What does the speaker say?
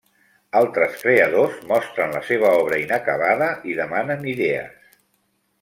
Altres creadors mostren la seva obra inacabada i demanen idees.